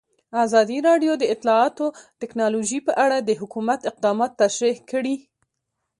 ازادي راډیو د اطلاعاتی تکنالوژي په اړه د حکومت اقدامات تشریح کړي.